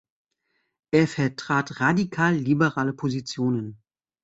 Er vertrat radikal liberale Positionen.